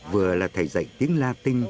vừa là thầy dạy tiếng latin